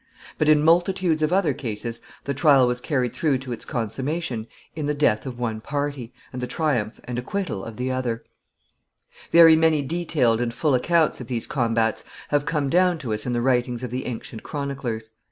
But in multitudes of other cases the trial was carried through to its consummation in the death of one party, and the triumph and acquittal of the other. [Sidenote: Arrangements made.] [Sidenote: Guards.] Very many detailed and full accounts of these combats have come down to us in the writings of the ancient chroniclers.